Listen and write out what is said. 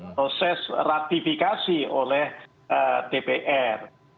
proses ratifikasi oleh dpr